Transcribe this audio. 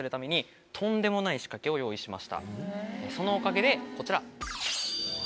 そのおかげでこちら。